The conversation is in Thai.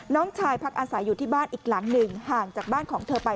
น้องชายพักอาศัยอยู่ที่บ้านอีกหลังหนึ่งห่างจากบ้านของเธอไป